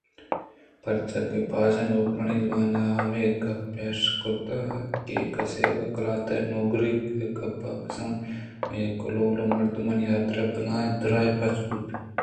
پرچاکہ بازیں نوکرانی زبان ءَ ہمے گپ اِش کُتگ اَت کہ کسے اگاں قلات ءِ نوگری ئے گپت بزاں آئی ءِ کہول ءُمردمانی حاترا بلاہیں درے پچ بوت